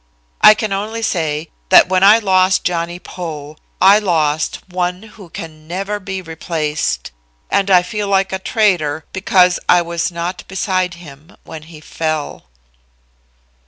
"I can only say, that when I lost Johnny Poe, I lost one who can never be replaced, and I feel like a traitor because I was not beside him when he fell."